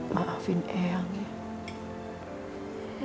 maafin eyang ya